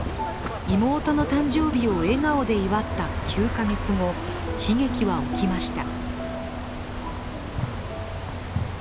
妹の誕生日を笑顔で祝った９か月後、悲劇は起きました。